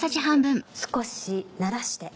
少しならして。